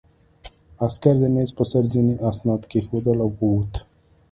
عسکر د مېز په سر ځینې اسناد کېښودل او ووت